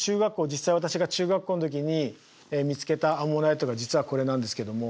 実際私が中学校の時に見つけたアンモナイトが実はこれなんですけども。